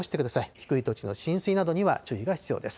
低い土地の浸水などには注意が必要です。